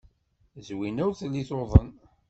Zwina ur telli tuḍen.